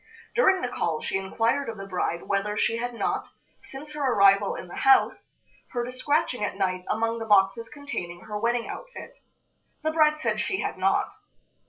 During the call she inquired of the bride whether she had not, since her arrival in the house, heard a scratching at night among the boxes containing her wedding outfit. The bride said she had not.